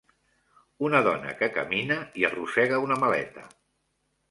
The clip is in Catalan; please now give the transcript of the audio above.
Una dona que camina i arrossega una maleta.